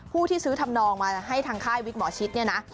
ที่ซื้อทำนองมาให้ทางค่ายวิกหมอชิดเนี่ยนะ